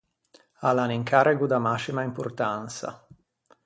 A l’à un incarrego da mascima importansa.